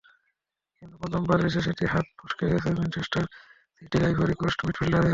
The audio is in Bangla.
কিন্তু পঞ্চমবার এসে সেটি হাত ফসকে গেছে ম্যানচেস্টার সিটির আইভরি কোস্ট মিডফিল্ডারের।